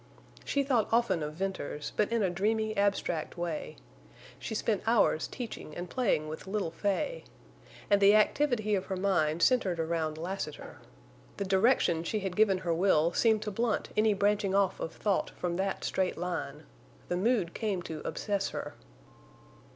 She thought often of Venters, but in a dreamy, abstract way. She spent hours teaching and playing with little Fay. And the activity of her mind centered around Lassiter. The direction she had given her will seemed to blunt any branching off of thought from that straight line. The mood came to obsess her.